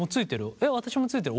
「えっ私も着いてるよ」